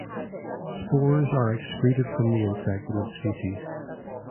Spores are excreted from the insect in its feces.